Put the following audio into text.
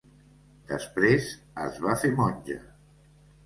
Després es va fer monja.